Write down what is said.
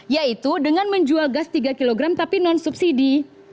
yaitu dengan menjual gas tiga kg tapi non subsidi